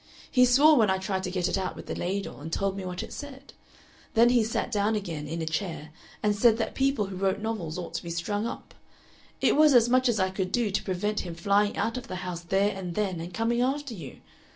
He swore when I tried to get it out with the ladle, and told me what it said. Then he sat down again in a chair and said that people who wrote novels ought to be strung up. It was as much as I could do to prevent him flying out of the house there and then and coming after you.